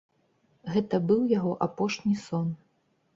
Гэта быў яго апошні сон.